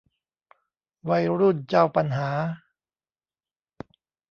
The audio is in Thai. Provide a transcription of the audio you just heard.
วัยรุ่นเจ้าปัญหา